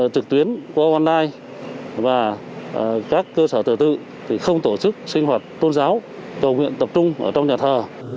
trực tuyến qua online và các cơ sở thờ tự không tổ chức sinh hoạt tôn giáo cầu nguyện tập trung ở trong nhà thờ